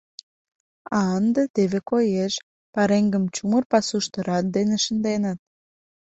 А ынде теве коеш: пареҥгым чумыр пасушто рат дене шынденыт.